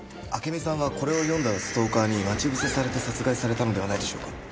暁美さんはこれを読んだストーカーに待ち伏せされて殺害されたのではないでしょうか？